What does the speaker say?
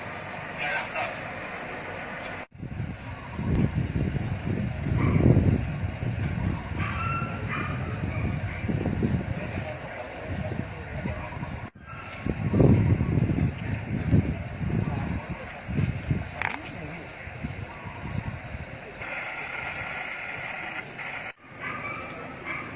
ถ้าไม่ได้ขออนุญาตมันคือจะมีโทษ